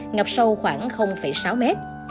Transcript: ngập sâu khoảng sáu mét